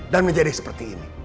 dan menjadi seperti ini